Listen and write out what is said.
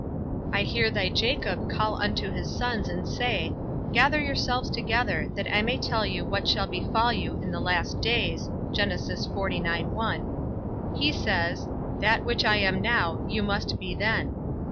I hear thy Jacob call unto his sons and say, Gather yourselves together, that I may tell you what shall befall you in the last days: he says, That which I am now, you must be then.